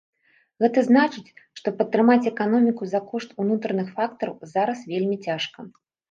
Гэта значыць, што падтрымаць эканоміку за кошт унутраных фактараў зараз вельмі цяжка.